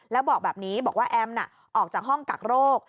แล้วบอกแบบนี้บอกว่าแอมน่ะออกจากห้องกักโรค